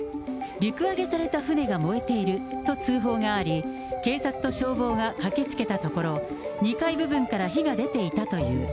陸揚げされた船が燃えていると通報があり、警察と消防が駆けつけたところ、２階部分から火が出ていたという。